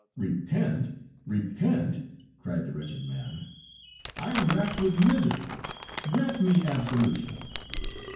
"Repent, repent!" cried the wretched man; "I am racked with misery. Grant me absolution."